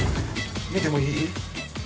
見てもいい？はっ？